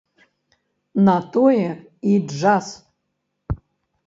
На тое і джаз!